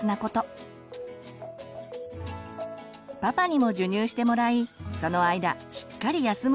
パパにも授乳してもらいその間しっかり休むようにしましょう。